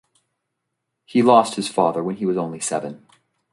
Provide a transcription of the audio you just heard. He lost his father when he was only seven.